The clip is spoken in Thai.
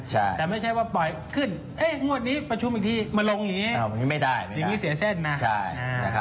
แต่ไม่ใช่ว่าปล่อยขึ้นงวดนี้ประชุมอีกทีมาลงอย่างนี้ไม่ได้อย่างนี้เสียเส้นนะ